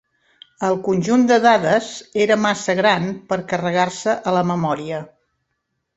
El conjunt de dades era massa gran per carregar-se a la memòria.